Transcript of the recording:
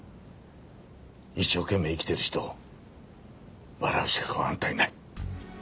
一生懸命生きている人を笑う資格はあんたにない。